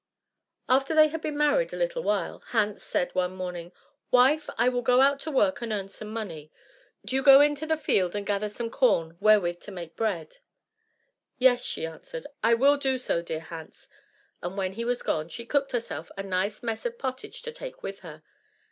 After they had been married a little while, Hans said one morning, "Wife, I will go out to work and earn some money; do you go into the field and gather some corn wherewith to make bread." "Yes," she answered, "I will do so, dear Hans." And when he was gone, she cooked herself a nice mess of pottage to take with her.